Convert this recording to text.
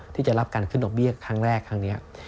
ที่จะรับการขึ้นดอกเบี้ยครั้งแรกครั้งนี้